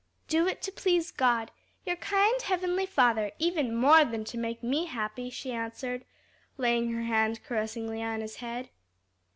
"Do it to please God, your kind heavenly Father, even more than to make me happy," she answered, laying her hand caressingly on his head.